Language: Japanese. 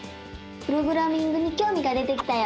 プログラミングにきょうみが出てきたよ！